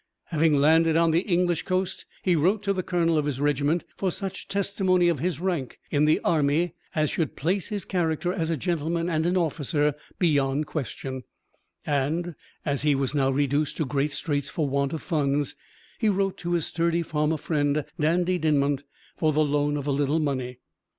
Having landed on the English coast, he wrote to the colonel of his regiment for such testimony of his rank in the army as should place his character as a gentleman and an officer beyond question; and, as he was now reduced to great straits for want of funds, he wrote to his sturdy farmer friend, Dandie Dinmont, for the loan of a little money.